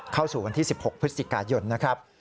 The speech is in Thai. เข้าสู่วันที่๑๖พฤศจิกายนนะครับ